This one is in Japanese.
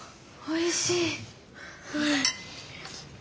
おいしい。